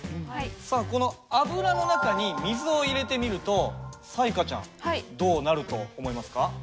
さあこの油の中に水を入れてみると彩加ちゃんどうなると思いますか？